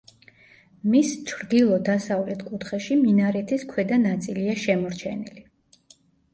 მის ჩრდილო-დასავლეთ კუთხეში მინარეთის ქვედა ნაწილია შემორჩენილი.